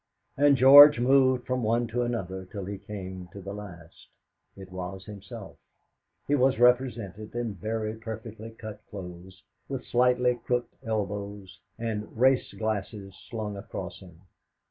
And George moved from one to another till he came to the last. It was himself. He was represented in very perfectly cut clothes, with slightly crooked elbows, and race glasses slung across him.